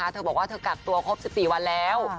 เธอบอกว่าเธอกักตัวครบ๑๔วันแล้ว